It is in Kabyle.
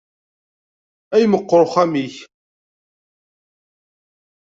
Ay meqqer uxxam-ik!